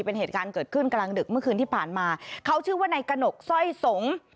เป็นเหตุการณ์เกิดขึ้นกลางดึกเมื่อคืนที่ผ่านมาเขาชื่อว่าในกระหนกสร้อยสง